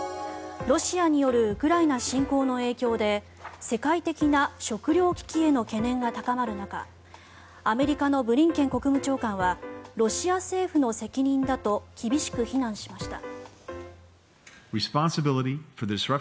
ロシアによるウクライナ侵攻の影響で世界的な食糧危機への懸念が高まる中アメリカのブリンケン国務長官はロシア政府の責任だと厳しく非難しました。